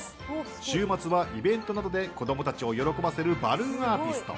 週末はイベントなどで子供たちを喜ばせるバルーンアーティスト。